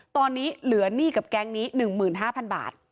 ตอนนี้เหลือหนี้กับแก๊งนี้๑๕๐๐๐บาท